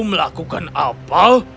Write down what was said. kau melakukan apa